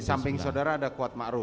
di samping saudara ada kuat makru